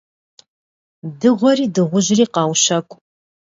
Дыгъуэри дыгъужьри къаущэкӀу.